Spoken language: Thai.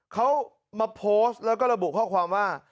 เขามาโพสต์แล้วก็ระบุข้อความว่า